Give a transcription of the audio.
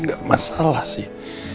gak masalah sih